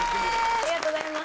ありがとうございます。